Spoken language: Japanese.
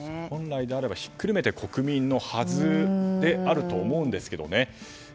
本来であればひっくるめて国民のはずであると思うんですけどね。